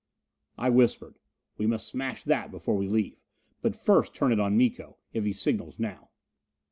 I whispered, "We must smash that before we leave! But first turn it on Miko, if he signals now."